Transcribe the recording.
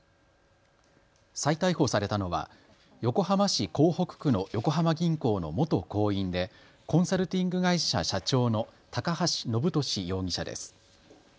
再逮捕されたのは横浜市港北区の横浜銀行の元行員でコンサルティング会社社長の高橋延年容疑者です。